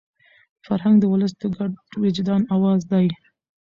فرهنګ د ولس د ګډ وجدان اواز دی.